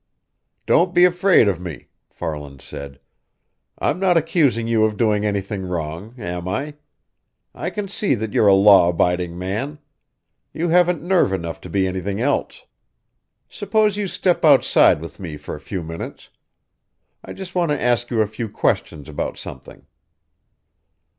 "Don't be afraid of me," Farland said. "I'm not accusing you of doing anything wrong, am I? I can see that you're a law abiding man. You haven't nerve enough to be anything else. Suppose you step outside with me for a few minutes. I just want to ask you a few questions about something."